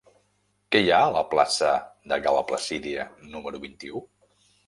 Què hi ha a la plaça de Gal·la Placídia número vint-i-u?